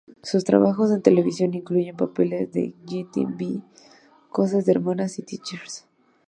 Sus trabajos en televisión incluyen papeles en "Getting By", "Cosas de hermanas" y "Teachers".